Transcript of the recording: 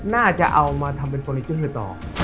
น่าจะเอามาทำเป็นเฟอร์นิเจอร์ต่อ